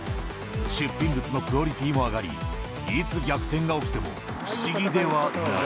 出品物のクオリティーも上がり、いつ逆転が起きても不思議ではない。